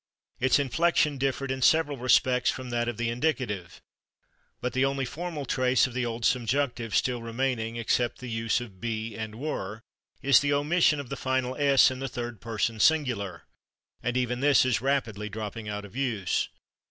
Its inflection differed in several respects from that of the indicative. But the only formal trace of the old subjunctive still remaining, except the use of /be/ and /were/, is the omission of the final /s/ in the third person singular. And even this is rapidly dropping out of use....